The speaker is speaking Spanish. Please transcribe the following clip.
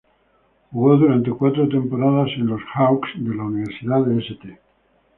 Jugó durante cuatro temporadas en los "Hawks" de la Universidad de St.